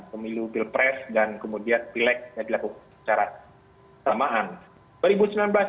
pemilu pilpres dan kemudian pilek yang dilakukan secara samaan